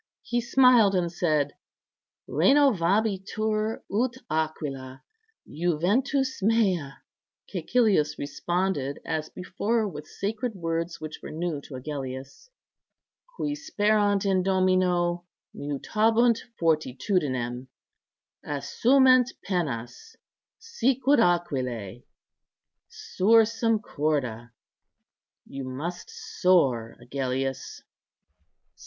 He smiled and said, "Renovabitur, ut aquila, juventus mea." Cæcilius responded, as before, with sacred words which were new to Agellius: " 'Qui sperant in Domino mutabunt fortitudinem; assument pennas, sicut aquilæ,' 'Sursum corda!' you must soar, Agellius."